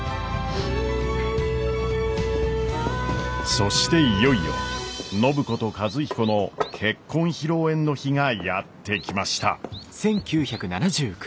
そしていよいよ暢子と和彦の結婚披露宴の日がやって来ました。